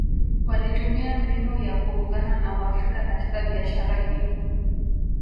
Walitumia mbinu ya kuungana na waafrika katika biashara hiyo